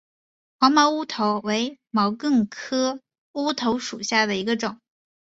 黄毛乌头为毛茛科乌头属下的一个种。